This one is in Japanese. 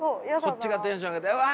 こっちがテンション上げてうわ！